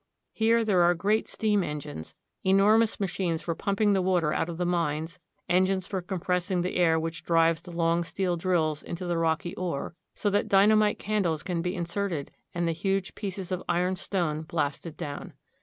Here there are great steam engines, enormous machines for pumping the water out of the mines, engines for compressing the air which drives the long steel drills into the rocky ore, so that dy namite candles can be inserted and the huge pieces of iron stone blasted down.